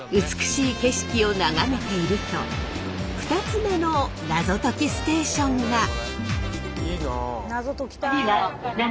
美しい景色をながめていると２つ目のナゾ解きステーションが。